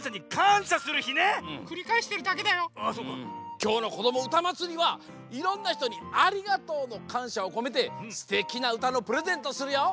きょうの「こどもうたまつり」はいろんなひとに「ありがとう」のかんしゃをこめてすてきなうたのプレゼントをするよ。